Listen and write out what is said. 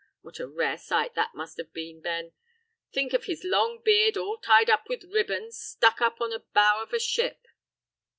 What a rare sight that must have been, Ben! Think of his long beard, all tied up with ribbons, stuck up on the bow of a ship!"